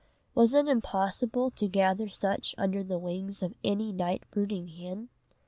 Was it impossible to gather such under the wings of any night brooding hen?